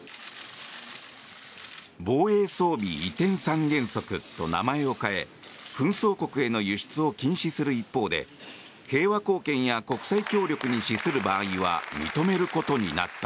防衛装備移転三原則と名前を変え紛争国への輸出を禁止する一方で平和貢献や国際協力に資する場合は認めることになった。